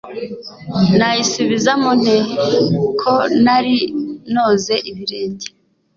nayisubizamo nte? ko nari noze ibirenge